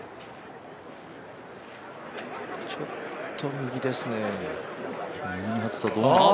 ちょっと右ですね。